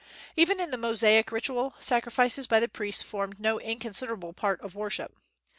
Even in the Mosaic ritual, sacrifices by the priests formed no inconsiderable part of worship.